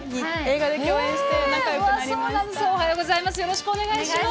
おはようございます。